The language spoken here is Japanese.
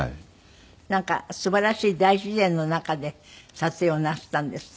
なんか素晴らしい大自然の中で撮影をなすったんですって？